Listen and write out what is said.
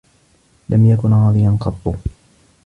لم يكن راضيا قطّ.